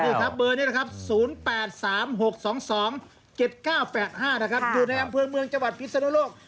นี่ครับเบอร์นี้นะครับ๐๘๓๖๒๒๗๙๘๕นะครับอยู่ในอำเภอเมืองจังหวัดพิศนุโลก